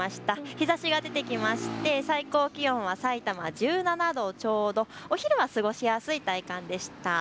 日ざしが出てきて最高気温はさいたま１７度ちょうどお昼は過ごしやすい体感でした。